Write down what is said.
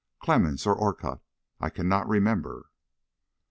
Clemmens or Orcutt? I cannot remember."